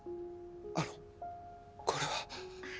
あのこれは。